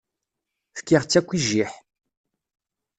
Fkiɣ-tt akk i jjiḥ.